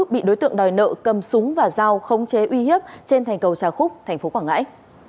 bị đối tượng đòi nợ cầm súng và dao không chế uy hiếp trên thành cầu trà khúc tp quảng ngãi